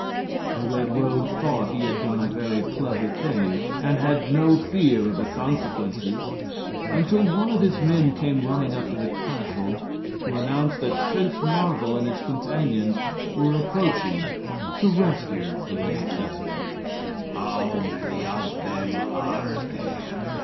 The Red Rogue thought he had done a very clever thing, and had no fear of the consequences until one of his men came running up to the castle to announce that Prince Marvel and his companions were approaching to rescue the Lady Seseley. "How many of them are there?"